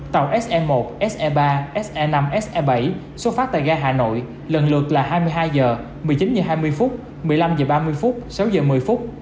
tàu se một se ba se năm se bảy xuất phát tại gai hà nội lần lượt là hai mươi hai h một mươi chín h hai mươi một mươi năm h ba mươi sáu h một mươi